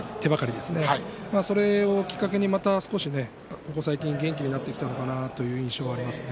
それをきっかけにまた少し元気になってきたのかなという印象がありますね。